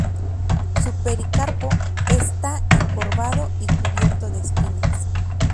Su pericarpo está encorvado y cubierto de espinas.